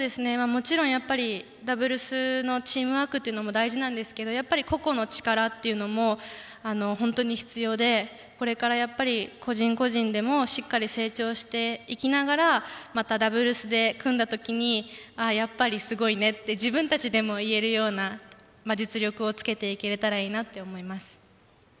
ダブルスのチームワークも大事ですけど個々の力というのも本当に必要でこれから個人個人でもしっかり成長していきながらまたダブルスで組んだ時にやっぱり、すごいねって自分たちでも言えるような実力をつけていけたらいいなと思います。